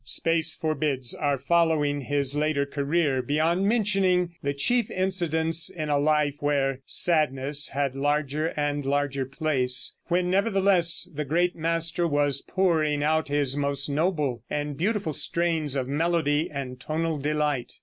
Space forbids our following his later career beyond mentioning the chief incidents in a life where sadness had larger and larger place, when nevertheless the great master was pouring out his most noble and beautiful strains of melody and tonal delight.